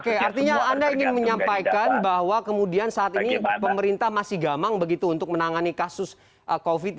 oke artinya anda ingin menyampaikan bahwa kemudian saat ini pemerintah masih gamang begitu untuk menangani kasus covid sembilan belas